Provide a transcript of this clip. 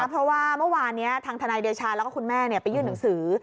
เพราะว่าเมื่อวานนี้ทางทนายเดชาแล้วก็คุณแม่ไปยื่นหนังสือ